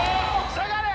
下がれ！